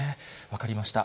分かりました。